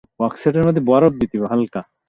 এই ম্যাচে তিনি দুটি উইকেট নিয়েছিলেন।